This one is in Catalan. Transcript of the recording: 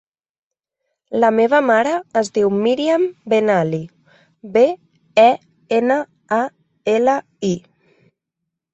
La meva mare es diu Míriam Benali: be, e, ena, a, ela, i.